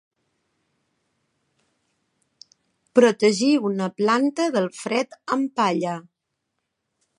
Protegir una planta del fred amb palla.